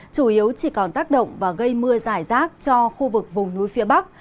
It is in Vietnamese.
chủ yếu chỉ còn tác động và gây mưa giải rác cho khu vực vùng núi phía bắc